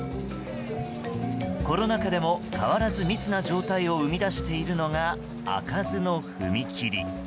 コロナ禍でも変わらず密な状態を生み出しているのが開かずの踏切。